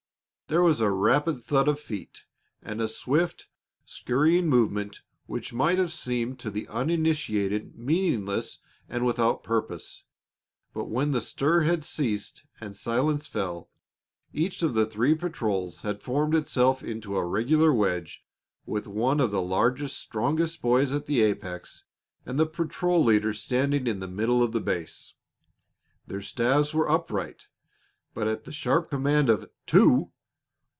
There was a rapid thud of feet and a swift, scurrying movement which might have seemed to the uninitiated meaningless and without purpose. But when the stir had ceased and silence fell, each of the three patrols had formed itself into a regular wedge with one of the largest, strongest boys at the apex and the patrol leader standing in the middle of the base. Their staves were upright, but at the sharp command of "Two!"